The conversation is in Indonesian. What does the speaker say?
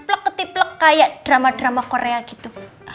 pleketi pleketi kayak drama drama korea gitu